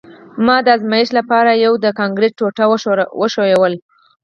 ما د ازمایښت لپاره یوه د کانکریټ ټوټه وښویوله